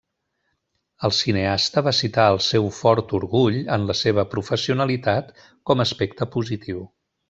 El cineasta va citar el seu fort orgull en la seva professionalitat com aspecte positiu.